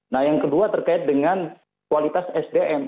nah yang kedua terkait dengan kualitas sdm